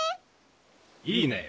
いいね！